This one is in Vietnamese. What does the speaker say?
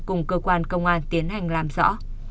cùng cơ quan công an tiến hành làm rõ